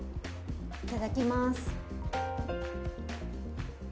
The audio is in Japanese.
いただきます。